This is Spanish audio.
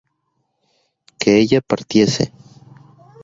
que ella partiese